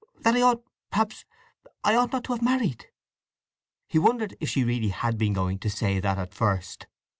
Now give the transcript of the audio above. "That I ought—perhaps I ought not to have married!" He wondered if she had really been going to say that at first.